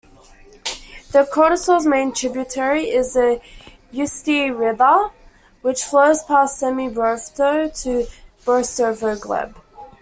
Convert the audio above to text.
The Kotorosl's main tributary is the Ustye River, which flows past Semibratovo to Borisogleb.